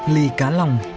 lý cá lòng